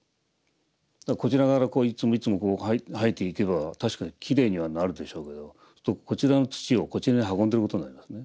こちら側からこういつもいつもこう掃いていけば確かにきれいにはなるでしょうけどこちらの土をこちらに運んでることになりますね。